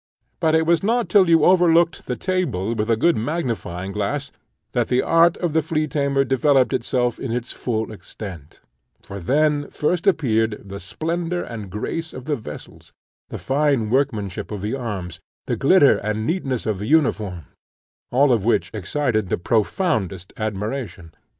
But it was not till you overlooked the table with a good magnifying glass that the art of the flea tamer developed itself in its full extent; for then first appeared the splendour and grace of the vessels, the fine workmanship of the arms, the glitter and neatness of the uniforms, all of which excited the profoundest admiration.